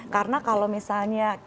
karena kalau misalnya